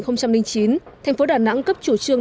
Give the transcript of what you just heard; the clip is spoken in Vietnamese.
năm hai nghìn chín thành phố đà nẵng cấp chủ trương